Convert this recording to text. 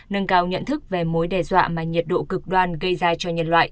nâng cao nhận thức về mối đe dọa